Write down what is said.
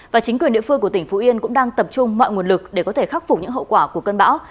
và chính quyền địa phương của tỉnh phú yên cũng đang tập trung mọi nguồn lực để có thể khắc phục những hậu quả của cơn bão